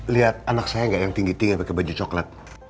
liat anak saya gak yang tinggi tinggi pake baju coklat